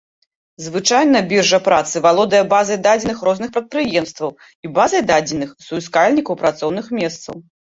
Звычайна біржа працы валодае базай дадзеных розных прадпрыемстваў і базай дадзеных суіскальнікаў працоўных месцаў.